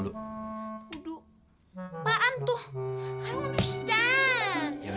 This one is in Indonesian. udu apaan tuh i don't understand